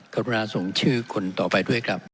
ขออนุญาตส่งชื่อคุณต่อไปด้วยครับ